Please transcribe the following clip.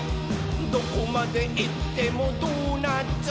「どこまでいってもドーナツ！」